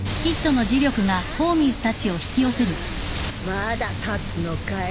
まだ立つのかい？